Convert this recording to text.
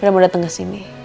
udah mudah tengah sini